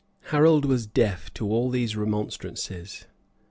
Harold was deaf to all these remonstrances.